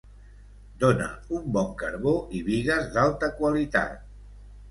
Dóna un bon carbó i bigues d'alta qualitat.